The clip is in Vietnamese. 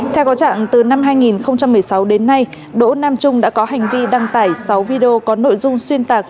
theo có trạng từ năm hai nghìn một mươi sáu đến nay đỗ nam trung đã có hành vi đăng tải sáu video có nội dung xuyên tạc